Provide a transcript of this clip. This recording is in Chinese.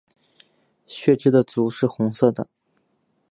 血雉的足是红色的。